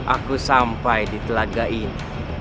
aku sampai di telaga ini